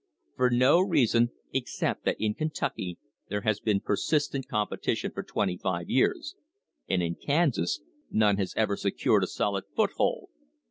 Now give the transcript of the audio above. For no reason except that in Kentucky there has been persistent competition for twenty five years, and in Kansas none has ever secured a solid THE PRICE OF OIL foothold.